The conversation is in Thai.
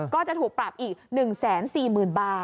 ก็จะถูกปรับอีก๑แสน๔หมื่นบาท